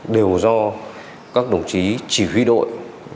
đều do các đồng chí chỉ huy đội